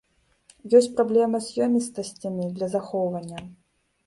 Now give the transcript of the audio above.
Ёсць праблема з ёмістасцямі для захоўвання.